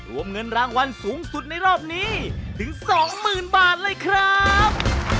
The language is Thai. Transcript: รวมเงินรางวัลสูงสุดในรอบนี้ถึง๒๐๐๐บาทเลยครับ